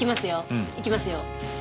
うん。いきますよ。